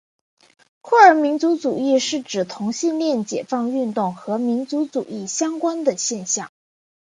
酷儿民族主义是指同性恋解放运动和民族主义相关的现象。